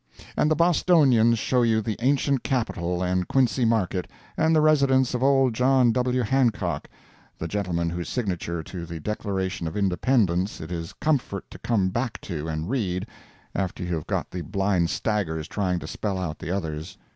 And the Bostonians show you the ancient Capitol and Quincy market, and the residence of old John W. Hancock, the gentleman whose signature to the Declaration of Independence it is comfort to come back to and read, after you have got the blind staggers trying to spell out the others.